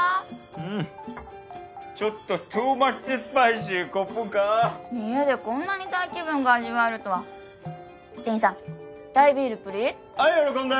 うんちょっとトゥーマッチスパイシーコップンカー家でこんなにタイ気分が味わえるとは店員さんタイビールプリーズはい喜んで！